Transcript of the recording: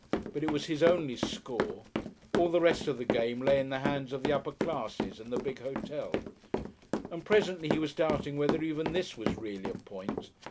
But it was his only score; all the rest of the game lay in the hands of the upper classes and the big hotel. And presently he was doubting whether even this was really a point.